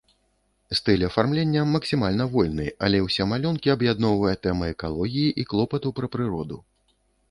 Стыль афармлення максімальна вольны, але ўсе малюнкі аб'ядноўвае тэма экалогіі і клопату пра прыроду.